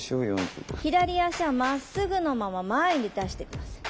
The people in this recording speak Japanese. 左足はまっすぐのまま前に出して下さい。